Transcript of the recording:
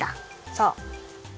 そう。